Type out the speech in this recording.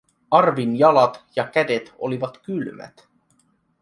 Arvin jalat ja kädet olivat kylmät.